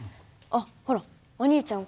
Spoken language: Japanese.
あっほらお兄ちゃん